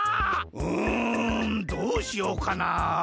うんどうしようかな。